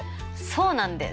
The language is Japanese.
そうなんです。